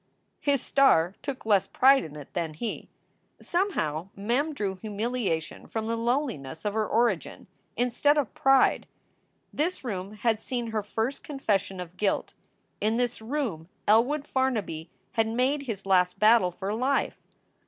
His star took less pride in it than he. Somehow Mem drew humiliation from the lowliness of her origin, instead of pride. This room had seen her first confession of guilt. In this room Elwood Farnaby had made his last battle for life.